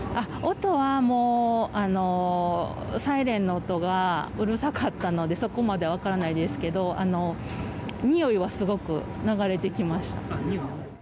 音はサイレンの音がうるさかったのでそこまでは分からないですけれどもにおいはすごく流れてきました。